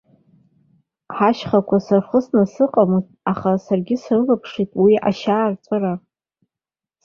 Ҳашьхақәа сырхысны сыҟамызт, аха саргьы салаԥшит уи ашьаарҵәыра.